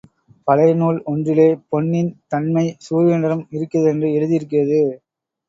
பழையநூல் ஒன்றிலே பொன்னின் தன்மை சூரியனிடம் இருக்கிறதென்று எழுதியிருக்கிறது.